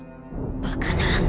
バカな！